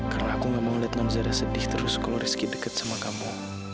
karena aku gak mau liat nonzara sedih terus kalau riski deket sama kamu